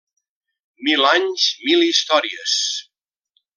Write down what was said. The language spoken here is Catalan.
Mil anys, mil històries!